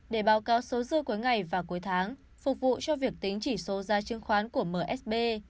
để báo cáo số dư cuối ngày và cuối tháng phục vụ cho việc tính chỉ số giá chứng khoán của msb